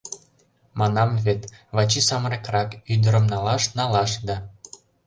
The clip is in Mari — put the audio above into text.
Манам вет: Вачи самырыкрак... ӱдырым налаш, налаш да...